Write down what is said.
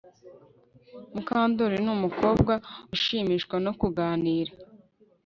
Mukandoli numukobwa ushimishwa no kuganira